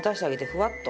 ふわっと。